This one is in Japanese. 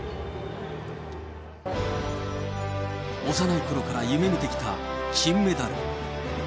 幼いころから夢みてきた金メダル。